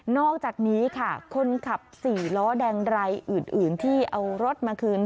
อกจากนี้ค่ะคนขับ๔ล้อแดงรายอื่นที่เอารถมาคืน